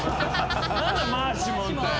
何だマーシモンって。